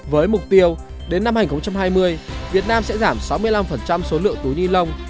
với mục tiêu đến năm hai nghìn hai mươi việt nam sẽ giảm sáu mươi năm số lượng túi ni lông